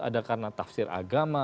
ada karena tafsir agama